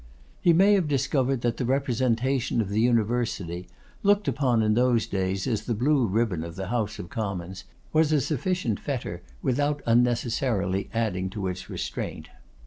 He may have discovered that the representation of the University, looked upon in those days as the blue ribbon of the House of Commons, was a sufficient fetter without unnecessarily adding to its restraint.